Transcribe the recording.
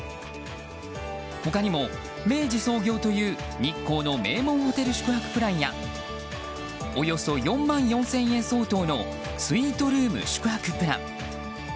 他にも明治創業という日光の名門ホテル宿泊プランやおよそ４万４０００円相当のスイートルーム宿泊プラン。